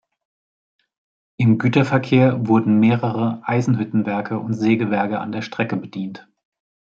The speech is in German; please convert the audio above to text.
Im Güterverkehr wurden mehrere Eisenhüttenwerke und Sägewerke an der Strecke bedient.